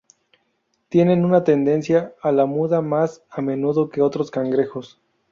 Tienen una tendencia a la muda más a menudo que otros cangrejos.